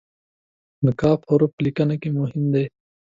د "ک" حرف په لیکنه کې مهم دی.